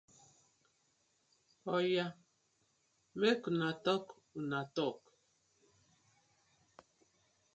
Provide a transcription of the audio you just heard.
Oya mek una talk una talk.